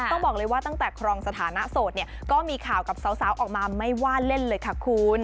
ต้องบอกเลยว่าตั้งแต่ครองสถานะโสดเนี่ยก็มีข่าวกับสาวออกมาไม่ว่าเล่นเลยค่ะคุณ